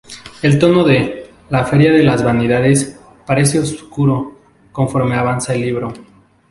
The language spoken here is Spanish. El tono de "La feria de las vanidades" parece oscurecer conforme avanza el libro.